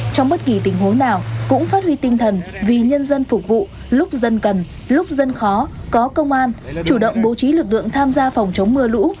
trong bất kỳ tình huống nào cũng phát huy tinh thần vì nhân dân phục vụ lúc dân cần lúc dân khó có công an chủ động bố trí lực lượng tham gia phòng chống mưa lũ